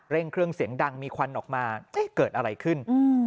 เครื่องเสียงดังมีควันออกมาเกิดอะไรขึ้น